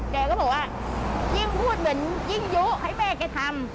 แกก็บอกว่ายิ่งพูดเหมือนยิ่งยุให้แม่แกทำ